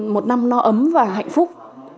một năm no ấm và hạnh phúc